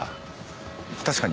確かに。